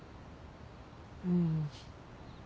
うん。